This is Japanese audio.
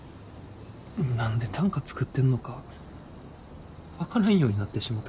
何で短歌作ってんのか分からんようになってしもた。